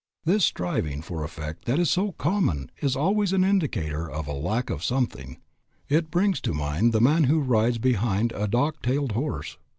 This striving for effect that is so common is always an indicator of a lack of something. It brings to mind the man who rides behind a dock tailed horse.